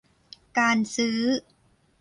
การซื้อ